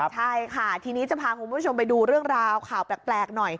ใช่ค่ะทีนี้จะพาคุณผู้ชมไปดูเรื่องราวข่าวแปลกหน่อย